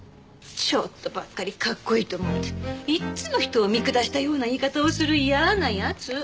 ちょっとばっかりかっこいいと思っていっつも人を見下したような言い方をする嫌な奴！